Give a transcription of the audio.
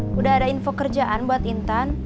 sudah ada info kerjaan buat intan